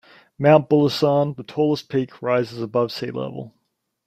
Mount Bulusan, the tallest peak, rises above sea level.